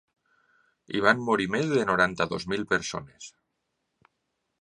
Hi van morir més de noranta-dues mil persones.